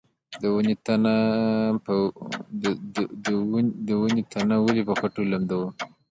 د ونې تنه ولې په خټو لمدوم؟